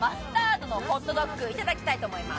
続いてはホットドッグをいただきたいと思います。